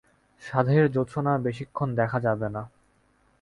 সাধের জোছনা বেশিক্ষণ দেখা যাবেনা।